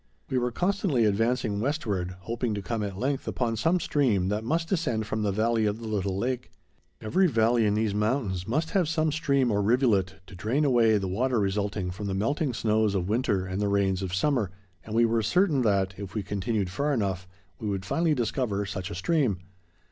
We were constantly advancing westward, hoping to come at length upon some stream that must descend from the valley of the little lake. Every valley in these mountains must have some stream or rivulet to drain away the water resulting from the melting snows of winter and the rains of summer, and we were certain that, if we continued far enough, we would finally discover such a stream.